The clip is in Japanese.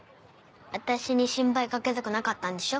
私に心配かけたくなかったんでしょ？